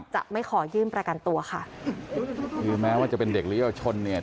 จะไม่ขอยื่นประกันตัวค่ะคือแม้ว่าจะเป็นเด็กหรือเยาวชนเนี่ย